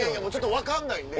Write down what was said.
分かんないんで！